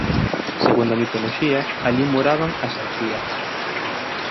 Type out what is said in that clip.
Segundo a mitoloxía, alí moraban as Harpías.